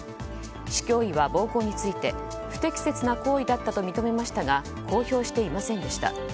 市教委は暴行について不適切な行為だったと認めましたが公表していませんでした。